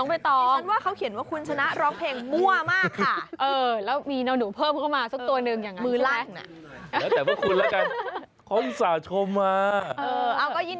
เขาเข้าเขียนว่าม่วนจริงหรือครับคุณ